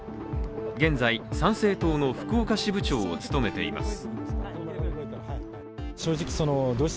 現在、参政党の福岡支部長を務めています。